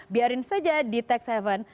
biarin saja di tax haven